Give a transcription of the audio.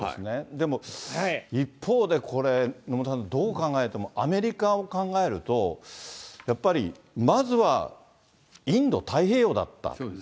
でも、一方でこれ、野村さん、どう考えてもアメリカを考えると、やっぱりまずはインド太平洋だった。